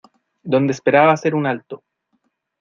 donde esperaba hacer un alto.